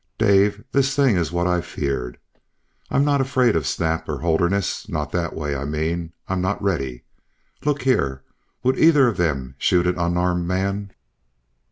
Dave, this thing is what I've feared. I'm not afraid of Snap or Holderness, not that way. I mean I'm not ready. Look here, would either of them shoot an unarmed man?"